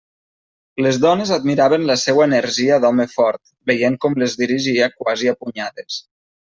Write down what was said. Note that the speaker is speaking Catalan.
Les dones admiraven la seua energia d'home fort, veient com les dirigia quasi a punyades.